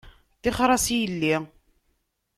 Tixer-as i yelli